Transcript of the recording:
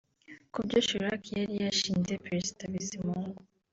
Ku byo Chirac yari yashinje Perezida Bizimungu